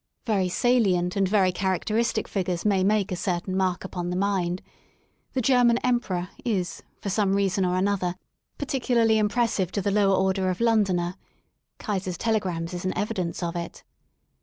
Very salient and very character^ istic figures may make a certain mark upon the mind — the German Emperor is, for some reason or another, particularly impressive to the lower order of Londoner —Kaiser's telegrams" is an evidence of it.